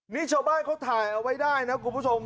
นี่ชาวบ้านเขาถ่ายเอาไว้ได้นะคุณผู้ชม